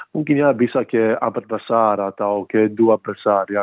mungkin ya bisa ke abad besar atau ke dua besar ya